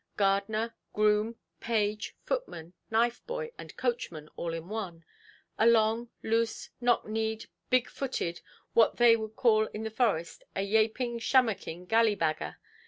Gardener, groom, page, footman, knife–boy, and coachman, all in one; a long, loose, knock–kneed, big–footed, what they would call in the forest a "yaping, shammocking gally–bagger".